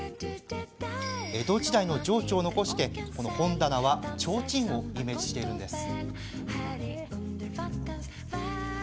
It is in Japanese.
江戸時代の情緒を残して本棚は、ちょうちんをイメージしています。